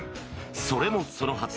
それもそのはず